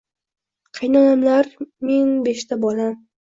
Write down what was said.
Qaynonamlar, men, beshta bolam..